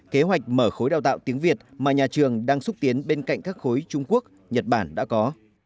kế hoạch mở khối đào tạo tiếng việt mà nhà trường đang xúc tiến bên cạnh các khối trung quốc nhật bản đã có